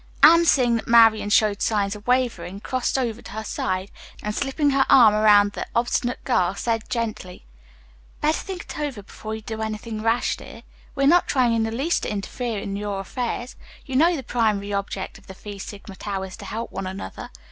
Anne seeing that Marian showed signs of wavering, crossed over to her side, and slipping her arm around the obstinate girl, said gently: "Better think it over before you do any thing rash, dear. We are not trying in the least to interfere in your affairs. You know the primary object of the Phi Sigma Tau is to help one another.